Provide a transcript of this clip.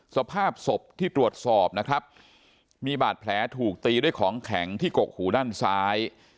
สภาพศพที่ตรวจสอบนะครับมีบาดแผลถูกตีด้วยของแข็งที่กกหูด้านซ้าย